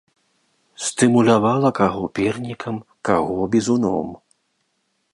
Стымулявала каго пернікам, каго бізуном.